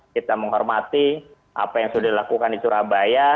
kita menghormati apa yang sudah dilakukan di surabaya